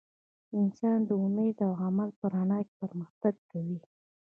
انسان د امید او عمل په رڼا کې پرمختګ کوي.